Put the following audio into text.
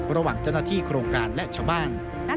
ระหว่างเจ้าหน้าที่โครงการและชาวบ้าน